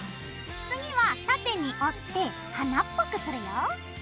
次は縦に折って花っぽくするよ。